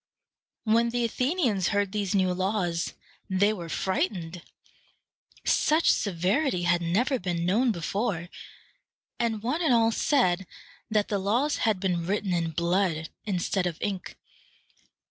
When the Athenians heard these new laws, they were frightened. Such severity had never been known before; and one and all said that the laws had been written in blood instead of ink.